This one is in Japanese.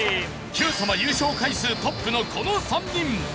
『Ｑさま！！』優勝回数トップのこの３人。